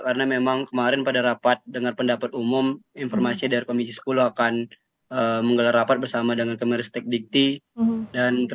karena memang kemarin pada rapat dengan pendapat umum informasi dari komisi sepuluh akan menggelar rapat bersama dengan komisi teknik dikti